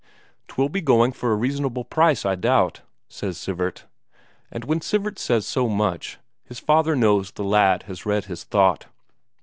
"'Twill be going for a reasonable price, I doubt," says Sivert. And when Sivert says so much, his father knows the lad has read his thought.